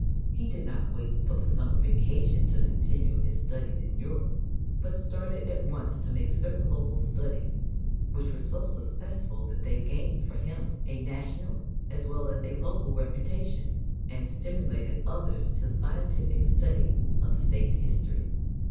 He did not wait for the summer vacation to continue his studies in Europe, but started at once to make certain local studies, which were so successful that they gained for him a national as well as a local reputation, and stimulated others to a scientific study of the State's history.